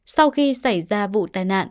sau khi xảy ra vụ tai nạn